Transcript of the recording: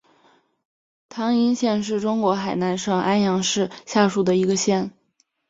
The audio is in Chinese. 汤阴县是中国河南省安阳市下属的一个县。